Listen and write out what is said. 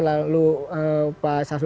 lalu pak sasuli arief